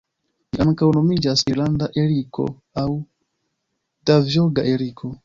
Ĝi ankaŭ nomiĝas irlanda eriko aŭ Davjoga eriko.